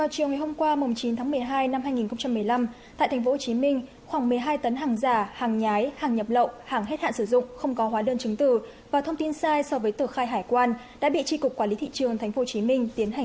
các bạn hãy đăng ký kênh để ủng hộ kênh của chúng mình nhé